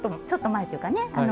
ちょっと前っていうかね